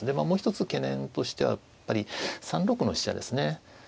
もう一つ懸念としてはやっぱり３六の飛車ですね